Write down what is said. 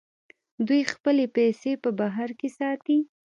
دوی خپلې پیسې په بهر کې ساتي.